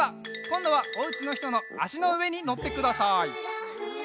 こんどはおうちのひとのあしのうえにのってください。